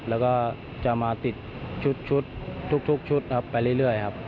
แล้วก็จะมาติดชุดไปเรื่อยครับ